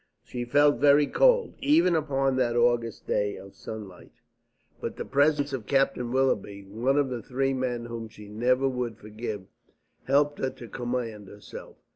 She felt very cold, even upon that August day of sunlight. But the presence of Captain Willoughby, one of the three men whom she never would forgive, helped her to command herself.